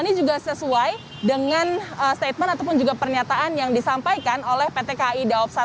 ini juga sesuai dengan statement ataupun juga pernyataan yang disampaikan oleh pt kai daop satu